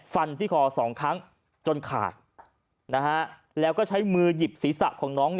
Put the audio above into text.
ฟันที่คอ๒ครั้งจนขาดแล้วก็ใช้มือหยิบศีรษะของน้อง